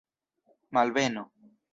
Malbeno!